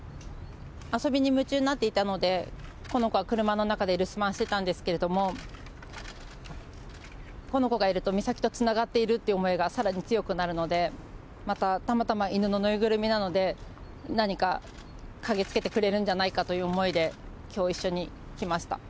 遊びに夢中になっていたので、この子は車の中で留守番してたんですけれども、この子がいると美咲とつながっているという思いがさらに強くなるので、また、たまたま犬の縫いぐるみなので、何か嗅ぎつけてくれるんじゃないかという思いで、きょう、一緒に来ました。